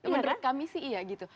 menurut kami sih iya gitu